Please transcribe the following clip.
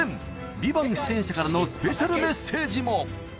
「ＶＩＶＡＮＴ」出演者からのスペシャルメッセージも！